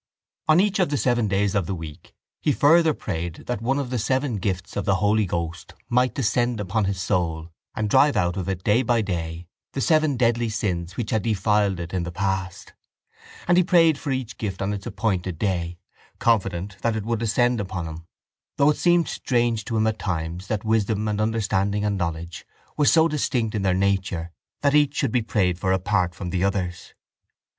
On each of the seven days of the week he further prayed that one of the seven gifts of the Holy Ghost might descend upon his soul and drive out of it day by day the seven deadly sins which had defiled it in the past; and he prayed for each gift on its appointed day, confident that it would descend upon him, though it seemed strange to him at times that wisdom and understanding and knowledge were so distinct in their nature that each should be prayed for apart from the others.